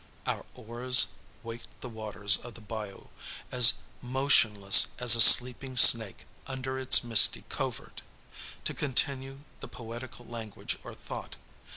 Our oars waked the waters of the bayou, as motionless as a sleeping snake under its misty covert to continue the poetical language or thought.